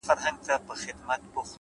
ستر بدلونونه له کوچنیو تصمیمونو زېږي